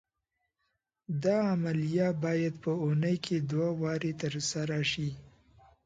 دا عملیه باید په اونۍ کې دوه وارې تر سره شي.